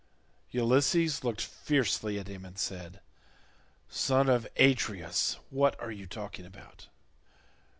Ulysses looked fiercely at him and said, "Son of Atreus, what are you talking about?